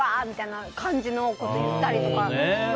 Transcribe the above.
みたいな感じのことを言ったりとか。